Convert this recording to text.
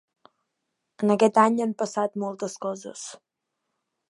En aquest any han passat moltes coses.